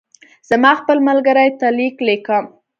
زه خپل ملګري ته لیک لیکم.